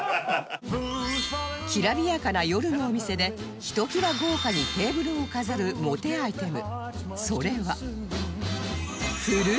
きらびやかな夜のお店でひときわ豪華にテーブルを飾るモテアイテムそれは